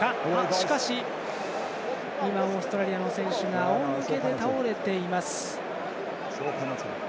しかし、オーストラリアの選手があおむけで倒れています。